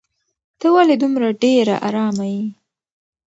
ته ولې دومره ډېره ارامه یې؟